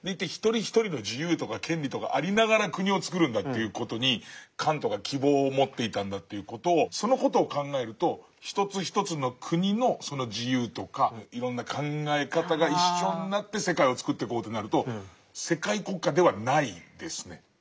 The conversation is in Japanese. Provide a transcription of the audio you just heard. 一人一人の自由とか権利とかありながら国をつくるんだという事にカントが希望を持っていたんだという事その事を考えると一つ一つの国の自由とかいろんな考え方が一緒になって世界をつくっていこうとなると世界国家ではないですね。